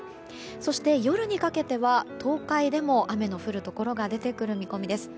そして夜にかけては東海でも雨の降るところが出てくる見込みです。